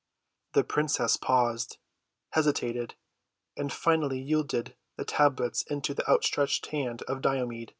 The princess paused, hesitated, and finally yielded the tablets into the outstretched hand of Diomed.